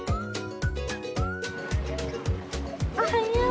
おはよう！